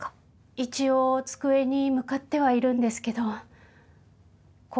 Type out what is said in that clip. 一応机に向かってはいるんですけど心